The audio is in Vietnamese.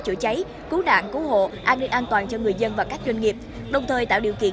chữa cháy cứu nạn cứu hộ an ninh an toàn cho người dân và các doanh nghiệp đồng thời tạo điều kiện